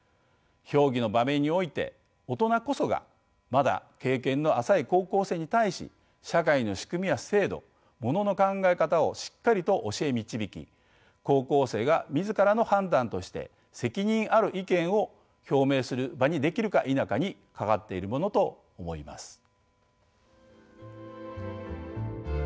評議の場面において大人こそがまだ経験の浅い高校生に対し社会の仕組みや制度ものの考え方をしっかりと教え導き高校生が自らの判断として責任ある意見を表明する場にできるか否かにかかっているものと思います。